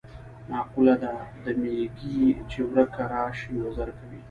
مقوله ده: د میږي چې ورکه راشي وزر کوي.